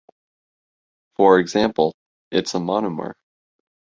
For example, it's a monomer.